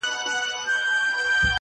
• وایې به سندري سپوږمۍ ستوري به نڅا کوي,